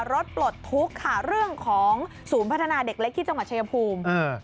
ปลดทุกข์ค่ะเรื่องของศูนย์พัฒนาเด็กเล็กที่จังหวัดชายภูมิ